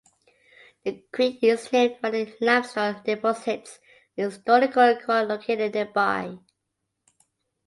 The creek is named for the limestone deposits and historical quarry located nearby.